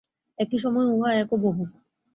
একই সময়ে উহা এক ও বহু।